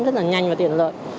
rất là nhanh và tiện lợi